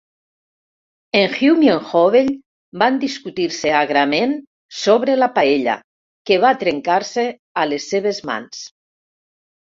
En Hume i en Hovell van discutir-se agrament sobre la paella, que va trencar-se a les seves mans.